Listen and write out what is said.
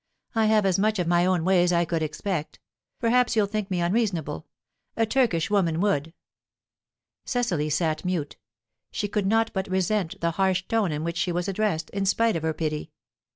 I have as much of my own way as I could expect. Perhaps you'll think me unreasonable. A Turkish woman would." Cecily sat mute. She could not but resent the harsh tone in which she was addressed, in spite of her pity.